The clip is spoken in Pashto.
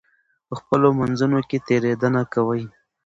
په خپلو منځونو کې تېرېدنه کوئ.